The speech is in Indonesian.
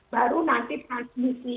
baru nanti transmisi